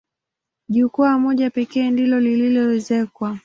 Jukwaa moja pekee ndilo lililoezekwa.